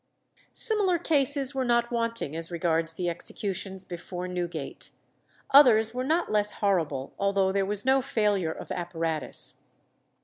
Similar cases were not wanting as regards the executions before Newgate. Others were not less horrible, although there was no failure of apparatus.